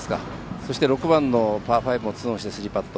そして６番のパー５も３オンして２パット。